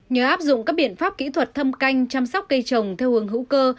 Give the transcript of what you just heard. nhờ áp dụng các biện pháp kỹ thuật thâm canh chăm sóc cây trồng theo hướng hữu cơ